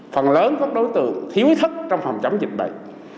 phần lớn các đối tượng thiếu ý thức trong phòng chống dịch bệnh